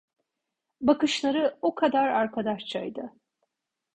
Bakışları o kadar arkadaşça idi.